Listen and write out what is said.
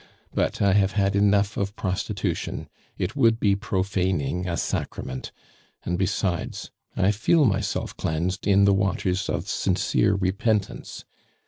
But I have had enough of prostitution; it would be profaning a sacrament; and besides, I feel myself cleansed in the waters of sincere repentance.